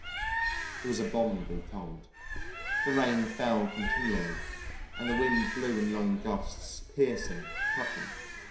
It was abominably cold; the rain fell continually, and the wind blew in long gusts, piercing, cutting.